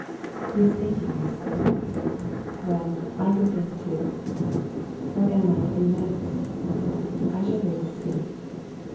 "He is thinking, I suppose? Well! I can think too. What am I to do next? I shall wait and see.